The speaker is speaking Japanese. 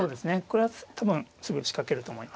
これは多分すぐ仕掛けると思います。